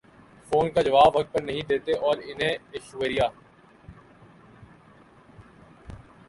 phone کا جواب وقت پر نہیں دیتیں اور انہیں ایشوریا